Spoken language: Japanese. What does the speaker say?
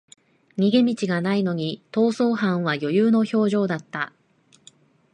逃げ道がないのに逃走犯は余裕の表情だった